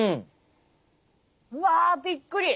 うわびっくり！